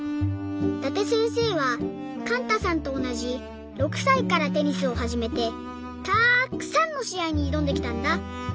伊達せんせいはかんたさんとおなじ６さいからテニスをはじめてたっくさんのしあいにいどんできたんだ。